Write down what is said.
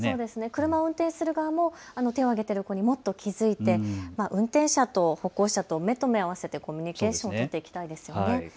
車を運転する側も手を上げている子にもっと気付いて運転車と歩行者と目と目を合わせてコミュニケーション取っていきたいですよね。